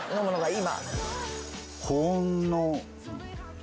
今。